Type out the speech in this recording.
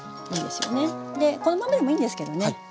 でこのままでもいいんですけどね